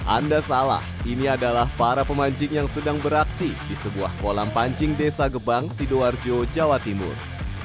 anda salah ini adalah para pemancing yang sedang beraksi di sebuah kolam pancing desa gebang sidoarjo jawa timur